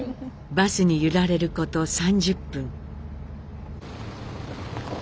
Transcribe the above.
バスに揺られること３０分。